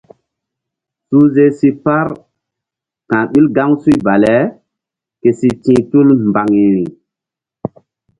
Suhze si par ka̧h ɓil gaŋsuy bale ke si ti̧h tul mbaŋiri.